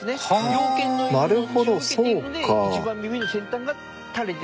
洋犬の犬の血を受けているので一番耳の先端が垂れてる。